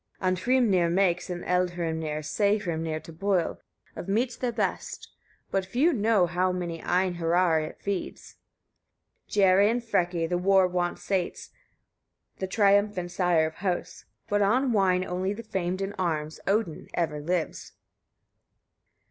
18. Andhrimnir makes, in Eldhrimnir, Sæhrimnir to boil, of meats the best; but few know how many Einheriar it feeds. 19. Geri and Freki the war wont sates, the triumphant sire of hosts; but on wine only the famed in arms, Odin, ever lives.